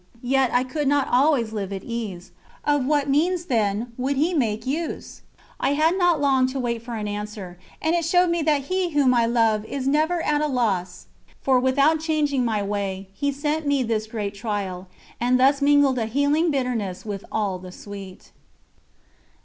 Yet I could not always live at ease. Of what means, then, would He make use? I had not long to wait for an answer, and it showed me that He whom I love is never at a loss, for without changing my way, He sent me this great trial; and thus mingled a healing bitterness with all the sweet.